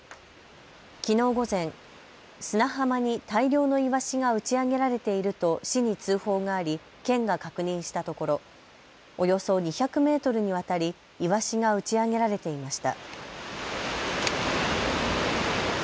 きのう午前、砂浜に大量のイワシが打ち上げられていると市に通報があり県が確認したところおよそ２００メートルにわたりイワシが打ち上げられていました。